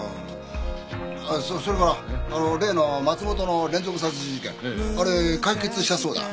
それから例の松本の連続殺人事件あれ解決したそうだ